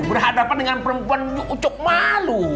berhadapan dengan perempuan untuk malu